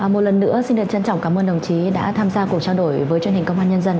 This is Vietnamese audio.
một lần nữa xin được trân trọng cảm ơn đồng chí đã tham gia cuộc trao đổi với truyền hình công an nhân dân